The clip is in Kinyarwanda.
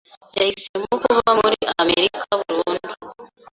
Yahisemo kuba muri Amerika burundu.